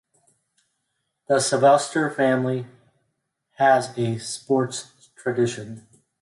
The Sylvester family has a sports tradition.